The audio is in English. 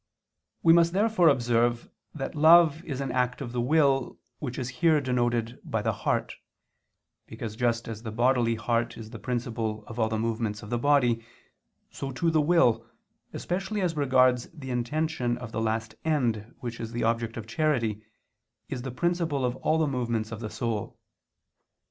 We must therefore observe that love is an act of the will which is here denoted by the "heart," because just as the bodily heart is the principle of all the movements of the body, so too the will, especially as regards the intention of the last end which is the object of charity, is the principle of all the movements of the soul.